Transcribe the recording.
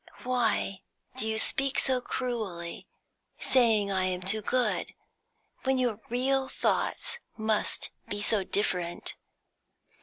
Why do you speak so cruelly, saying I am too good, when your real thoughts must be so different?